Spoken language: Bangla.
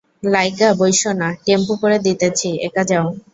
লাইজ্ঞা বইসো না, টেম্পু করে দিতেছি একা যাও।